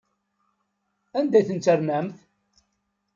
Anda ay ten-ternamt?